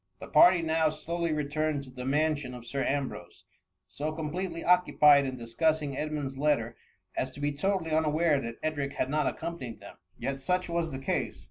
The party now slowly returned to the man sion of Sir Ambrose, so completely occupied in discussing Edmund's letter, as to be totally unaware that Edric had not accompanied them; THE MUMMY. 78 yet such was the case.